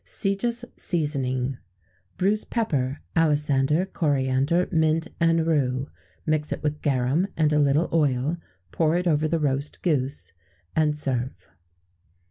[XVII 76] Sejus Seasoning. Bruise pepper, alisander, coriander, mint, and rue; mix with it garum and a little oil; pour it over the roast goose, and serve.